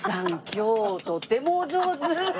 今日とてもお上手！